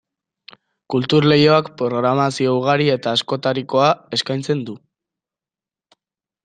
Kultur Leioak programazio ugari eta askotarikoa eskaintzen du.